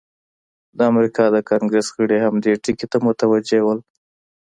د امریکا د کانګریس غړي هم دې ټکي ته متوجه وو.